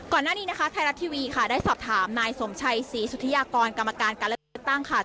ก่อนหน้านี้นะคะไทยรัฐทีวีค่ะได้สอบถามนายสมชัยศรีสุธิยากรกรรมการการเลือกตั้งค่ะ